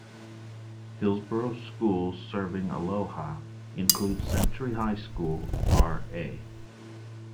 Hillsboro schools serving Aloha include Century High School, R. A.